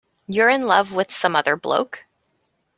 You're in love with some other bloke?